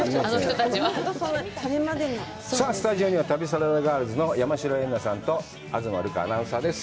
さあ、スタジオには旅サラダガールズの山代エンナさんと東留伽アナウンサーです。